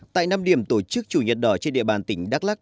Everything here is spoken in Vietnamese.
tại năm điểm tổ chức chủ nhật đỏ trên địa bàn tỉnh đắk lắc